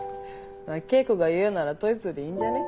まあ景子が言うならトイプーでいいんじゃね？